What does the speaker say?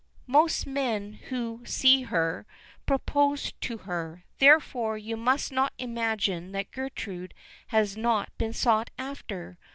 "Most men who see her, propose to her; therefore you must not imagine that Gertrude has not been sought after.